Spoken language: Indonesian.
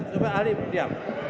coba ahli diam